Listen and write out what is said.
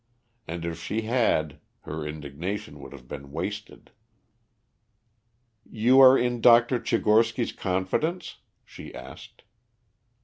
And if she had, her indignation would have been wasted. "You are in Dr. Tchigorsky's confidence?" she asked.